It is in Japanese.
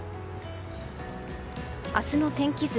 明日の天気図。